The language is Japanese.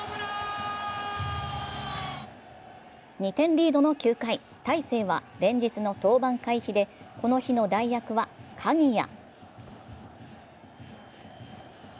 ２点リードの９回、大勢は連日の登板回避でこの日の代役は鍵谷。